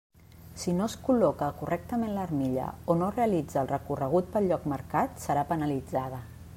Si no es col·loca correctament l'armilla o no realitza el recorregut pel lloc marcat, serà penalitzada.